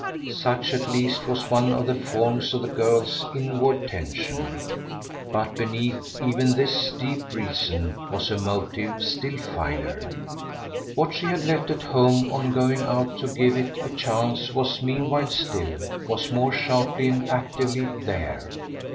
Such at least was one of the forms of the girl's inward tension; but beneath even this deep reason was a motive still finer. What she had left at home on going out to give it a chance was meanwhile still, was more sharply and actively, there.